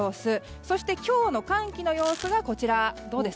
そして今日の寒気の様子がこちらです。